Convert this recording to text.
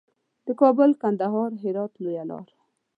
د کابل، کندهار، هرات لویه لار.